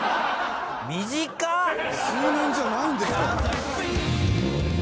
数年じゃないんですか？